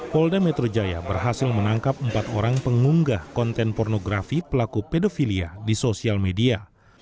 polda metro jaya berhasil menangkap empat orang pengunggah konten pornografi pelaku pedofilia di sosial media